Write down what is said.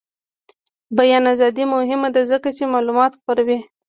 د بیان ازادي مهمه ده ځکه چې معلومات خپروي.